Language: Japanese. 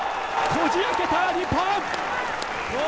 こじ開けた日本。